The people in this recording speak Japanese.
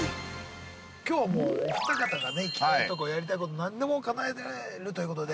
◆きょうは、もうお二方が行きたいとこやりたいことを何でもかなえるということで。